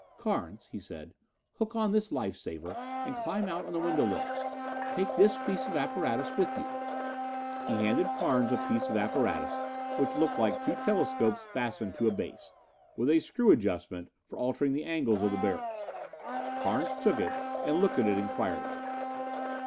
"Carnes," he said, "hook on this life saver and climb out on the window ledge. Take this piece of apparatus with you." He handed Carnes a piece of apparatus which looked like two telescopes fastened to a base, with a screw adjustment for altering the angles of the barrels. Carnes took it and looked at it inquiringly.